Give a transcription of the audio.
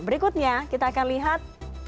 berikutnya kita akan lihat